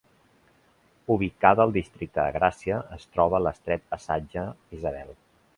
Ubicada al districte de Gràcia es troba a l'estret passatge Isabel.